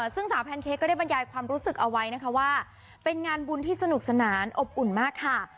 ซึ่งสาวแพนเค้กก็ได้บรรยายความรู้สึกเอาไว้นะคะว่าเป็นงานบุญที่สนุกสนานอบอุ่นมากค่ะ